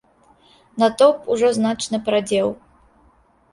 Натоўп ужо значна парадзеў.